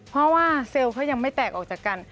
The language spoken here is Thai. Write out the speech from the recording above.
เพราะว่าเซลล์เขายังไม่แตกออกจากกัน